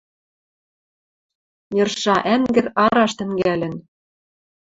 Нерша ӓнгӹр араш тӹнгӓлӹн.